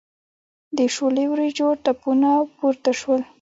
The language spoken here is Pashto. د شوله وریجو تپونه پورته شول.